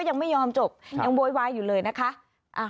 ยังไม่ยอมจบยังโวยวายอยู่เลยนะคะ